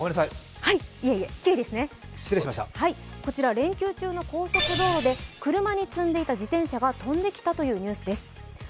こちら、連休の高速道路で車に積んでいた自転車が飛んできたというニュースです。